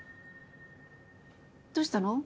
どうしたの？